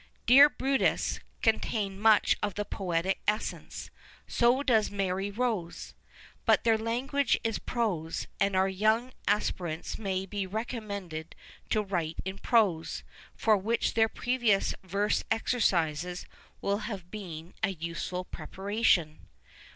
Dear Brutus contained much of the poetic essence ; so docs Mary Rose. But their language is prose, and our young aspirants may be recommended to write in prose, for which their previous verse exercises will have been a useful preparation.